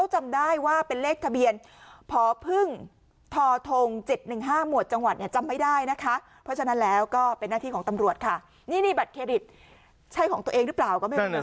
ใช่ของตัวเองหรือเปล่าก็ไม่รู้นะ